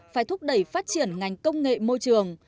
phải thúc đẩy phát triển ngành công nghệ môi trường